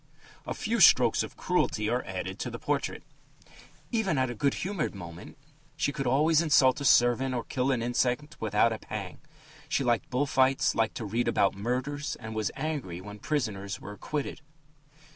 A few strokes of cruelty are added to the portrait: Even at a good humoured moment, she could always insult a servant or kill an insect without a pang; she liked bull fights, liked to read about murders, and was angry when prisoners were acquitted.